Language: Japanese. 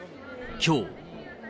きょう。